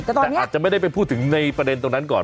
แต่อาจจะไม่ได้ไปพูดถึงในประเด็นตรงนั้นก่อน